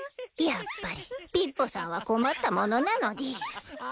やっぱりピッポさんは困ったものなのでぃす。